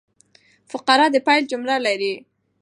فقره د پیل جمله لري.